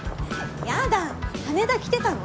やだ羽田来てたの？